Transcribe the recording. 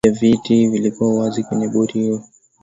baadhi ya viti vilikuwa wazi kwenye boti hiyo ya uokoaji